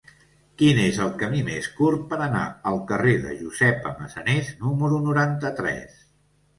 Quin és el camí més curt per anar al carrer de Josepa Massanés número noranta-tres?